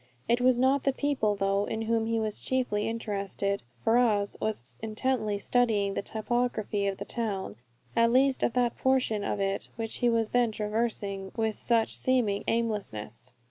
It was not the people, though, in whom he was chiefly interested. Ferrars was intently studying the topography of the town, at least of that portion of it which he was then traversing with such seeming aimlessness.